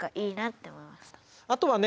あとはね